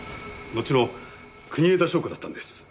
のちの国枝祥子だったんです。